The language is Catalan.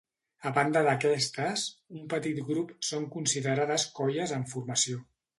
A banda d'aquestes, un petit grup són considerades colles en formació.